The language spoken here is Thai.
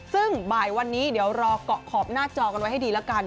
ซึ่งบ่ายวันนี้เดี๋ยวรอเกาะขอบหน้าจอกันไว้ให้ดีแล้วกัน